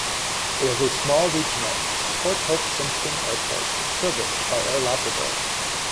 It has a small regional Port Hope Simpson Airport serviced by Air Labrador.